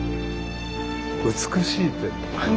美しいって。